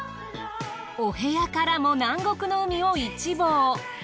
お部屋からも南国の海を一望。